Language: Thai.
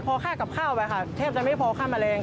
พอค่ากับข้าวไปค่ะแทบจะไม่พอค่าแมลง